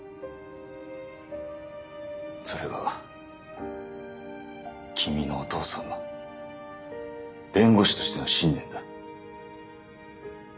それが君のお父さんの弁護士としての信念だ。